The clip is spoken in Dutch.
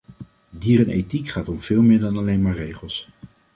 Dierenethiek gaat om veel meer dan alleen maar regels.